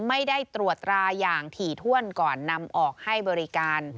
ไม่ได้ตรวจราอย่างถี่ถ้วนก่อนนำออกให้บริการ